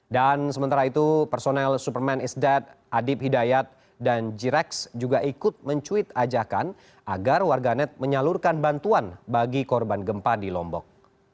dan sementara itu personel superman is dead adib hidayat dan jirex juga ikut mencuit ajakan agar warganet menyalurkan bantuan bagi korban gempa di lombok